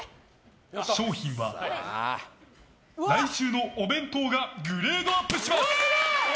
賞品は来週のお弁当がグレードアップします！